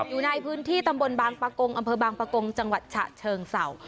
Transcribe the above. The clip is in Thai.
อยู่ในพื้นที่ตำบลบางปะกงอำเภอบางปะกงจังหวัดฉะเชิงเศร้า